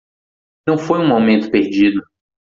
Não foi um momento perdido.